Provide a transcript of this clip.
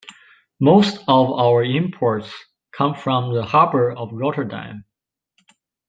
Most of our imports come from the harbor of Rotterdam.